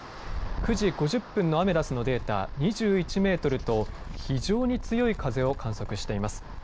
９時５０分のアメダスのデータ、２１メートルと非常に強い風を観測しています。